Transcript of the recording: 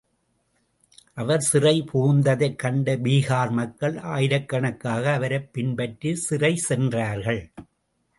அவர் சிறை புகுந்ததைக் கண்ட பீகார் மக்கள் ஆயிரக்கணக்காக அவரைப் பின்பற்றி சிறை சென்றார்கள்.